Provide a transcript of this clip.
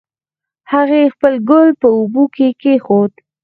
هغې خپل ګل په اوبو کې کېښود